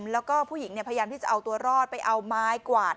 แล้วก็ผู้หญิงพยายามที่จะเอาตัวรอดไปเอาไม้กวาด